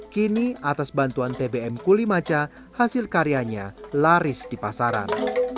kini atas bantuan tbm kulimaca hasil karyanya laris di pasaran